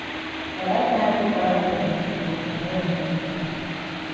Na dat time wey panapo go di komot ya mop.